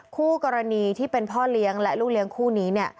คู่กรณีที่เป็นพ่อเลี้ยงและลูกเลี้ยงคู่นี้